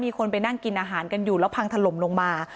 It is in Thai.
คนไปนั่งกินอาหารกันอยู่แล้วพังถล่มลงมา